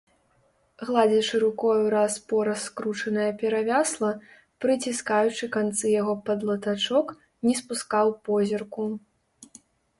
Гладзячы рукою раз-пораз скручанае перавясла, прыціскаючы канцы яго пад латачок, не спускаў позірку.